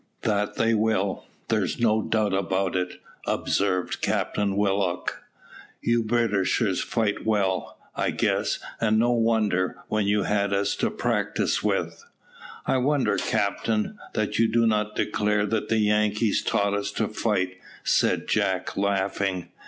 "That they will, there's no doubt about it," observed Captain Willock. "You Britishers fight well, I guess, and no wonder, when you've had us to practise with." "I wonder, captain, that you do not declare that the Yankees taught us to fight," said Jack, laughing.